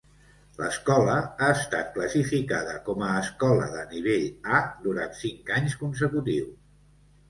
L'escola ha estat classificada com a escola de nivell "A" durant cinc anys consecutius.